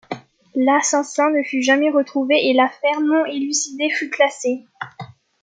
L'assassin ne fut jamais retrouvé et l'affaire non élucidée fut classée.